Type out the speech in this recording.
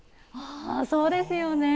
あそうですよね。